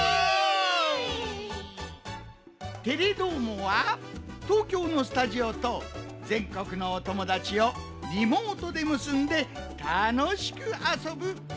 「テレどーも！」は東京のスタジオとぜんこくのおともだちをリモートでむすんでたのしくあそぶばんぐみじゃぞい！